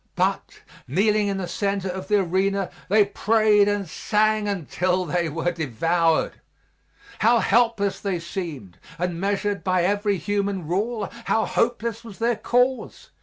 But, kneeling in the center of the arena, they prayed and sang until they were devoured. How helpless they seemed, and, measured by every human rule, how hopeless was their cause!